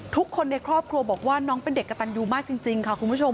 ทุกคนในครอบครัวบอกว่าน้องเป็นเด็กกระตันยูมากจริงค่ะคุณผู้ชม